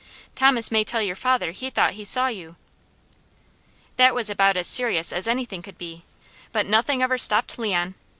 "Thomas may tell your father he thought he saw you." That was about as serious as anything could be, but nothing ever stopped Leon.